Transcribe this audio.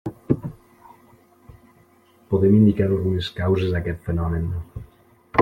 Podem indicar algunes causes d'aquest fenomen.